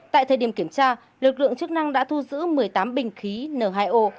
tại thời điểm kiểm tra lực lượng chức năng đã thu giữ một mươi tám bình khí n hai o